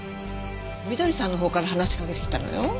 翠さんのほうから話しかけてきたのよ。